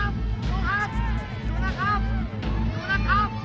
โปรดติดตามต่อไป